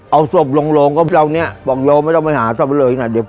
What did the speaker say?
เอาศพโลงครองตรงนี้ป่องโยไม่ต้องมันหาที่ไหน